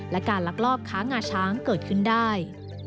และการลักลอบค้างงาช้างเกิดขึ้นได้